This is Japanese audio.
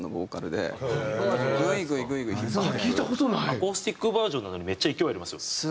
アコースティックバージョンなのにめっちゃ勢いありますよね。